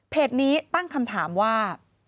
นี้ตั้งคำถามว่า